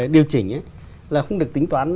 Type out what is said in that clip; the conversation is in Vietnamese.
điều chỉnh là không được tính toán